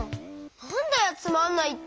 なんだよつまんないって。